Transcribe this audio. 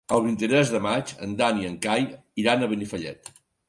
El vint-i-tres de maig en Dan i en Cai iran a Benifallet.